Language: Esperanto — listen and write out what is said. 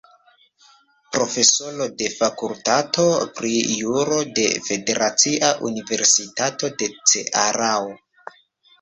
Profesoro de Fakultato pri Juro de Federacia Universitato de Cearao.